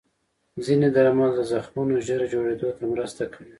ځینې درمل د زخمونو ژر جوړېدو ته مرسته کوي.